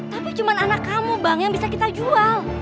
tapi cuma anak kamu bang yang bisa kita jual